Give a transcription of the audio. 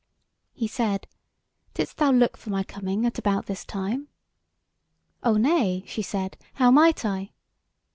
He said: "Didst thou look for my coming at about this time?" "O nay," she said; "how might I?"